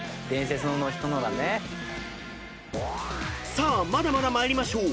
［さあまだまだ参りましょう］